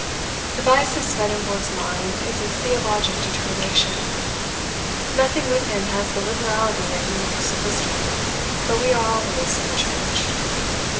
The vice of Swedenborg's mind is its theologic determination. Nothing with him has the liberality of universal wisdom, but we are always in a church.